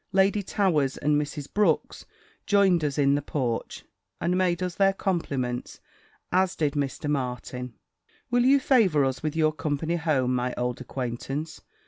Lady Towers and Mrs. Brooks joined us in the porch, and made us their compliments, as did Mr. Martin. "Will you favour us with your company home, my old acquaintance?"